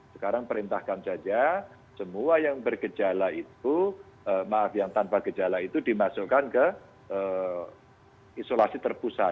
sekarang perintahkan saja semua yang bergejala itu maaf yang tanpa gejala itu dimasukkan ke isolasi terpusat